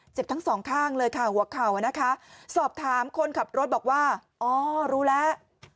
ทั้งสองข้างเลยค่ะหัวเข่านะคะสอบถามคนขับรถบอกว่าอ๋อรู้แล้ว